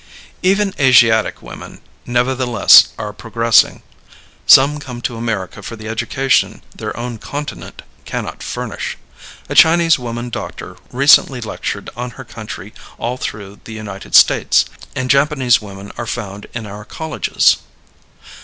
Even Asiatic women, nevertheless, are progressing. Some come to America for the education their own continent cannot furnish. A Chinese woman doctor recently lectured on her country all through the United States; and Japanese women are found in our colleges.